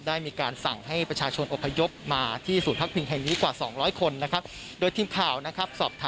ได้มีการสั่งให้ประชาชนอพยพมาที่ศูนย์พักพิงแห่งนี้กว่า๒๐๐คนนะครับ